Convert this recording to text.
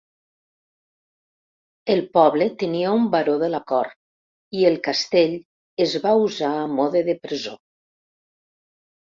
El poble tenia un baró de la cort i el castell es va usar a mode de presó.